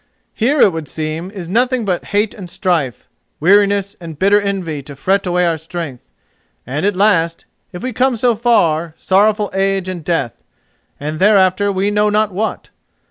"Here, it would seem, is nothing but hate and strife, weariness and bitter envy to fret away our strength, and at last, if we come so far, sorrowful age and death, and thereafter we know not what.